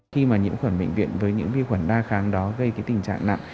khi mà nhiễm khuẩn bệnh viện với những vi khuẩn đa kháng đó gây tình trạng nặng